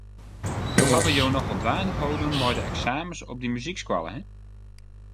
Jo hawwe jo nochal dwaande holden mei de eksamens op dy muzykskoallen, hin.